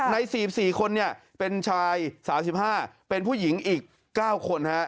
ใน๔๔คนเป็นชาย๓๕เป็นผู้หญิงอีก๙คน